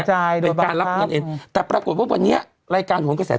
ใช่เป็นการรับเงินเองแต่ปรากฏว่าวันนี้รายการหวนกระแส